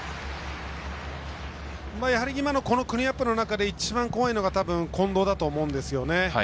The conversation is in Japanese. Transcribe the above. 今のクリーンアップの中でいちばん怖いのはたぶん近藤だと思うんですよね。